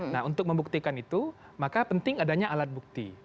nah untuk membuktikan itu maka penting adanya alat bukti